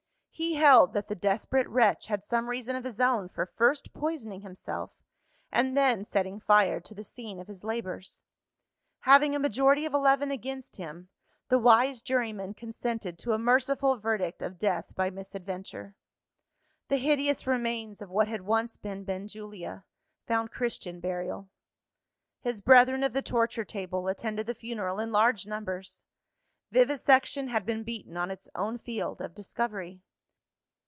He held that the desperate wretch had some reason of his own for first poisoning himself, and then setting fire to the scene of his labours. Having a majority of eleven against him, the wise juryman consented to a merciful verdict of death by misadventure. The hideous remains of what had once been Benjulia, found Christian burial. His brethren of the torture table, attended the funeral in large numbers. Vivisection had been beaten on its own field of discovery.